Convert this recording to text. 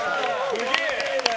すげえ！